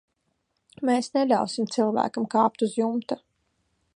Mēs neļausim cilvēkam kāpt uz jumta.